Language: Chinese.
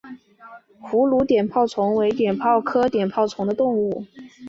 葫芦碘泡虫为碘泡科碘泡虫属的动物。